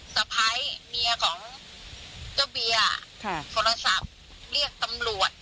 สะพ้ายเมียของเจ้าเบียร์โทรศัพท์เรียกตำรวจ